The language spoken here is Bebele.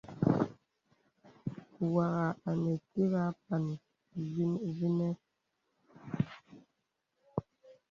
Wàghà anə tìt àpàn mvinəŋ.